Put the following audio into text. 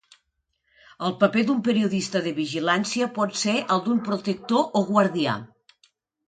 El paper d'un periodista de vigilància pot ser el d'un protector o guardià.